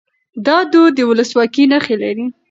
دا دود د ولسواکۍ نښې لري.